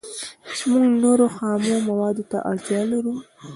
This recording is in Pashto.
موږ نورو خامو موادو ته اړتیا لرو